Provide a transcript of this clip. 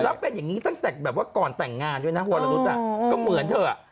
แล้วเป็นอย่างนี้ตั้งแต่แบบว่าก่อนแต่งงานด้วยนะวรนุษย์ก็เหมือนเธอ